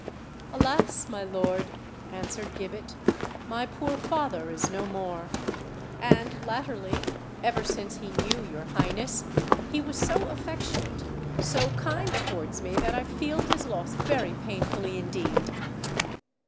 "Alas! my lord," answered Gibbet, "my poor father is no more! And latterly—ever since he knew your Highness—he was so affectionate, so kind towards me, that I feel his loss very painfully indeed!"